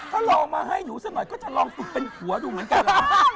ถ้าลองมาให้หนูสักหน่อยก็จะลองฝึกเป็นผัวดูเหมือนกันเหรอ